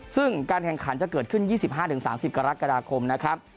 ซึ่งการแข่งขันจะเกิดขึ้น๒๕๓๐กรกฎาคมนะครับ